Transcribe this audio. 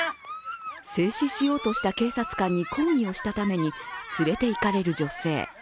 制止しようとした警察官に抗議をしたために、連れて行かれる女性。